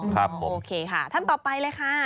ครับผมโอเคค่ะท่านต่อไปเลยค่ะ